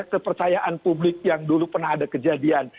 kepercayaan publik yang dulu pernah ada kejadian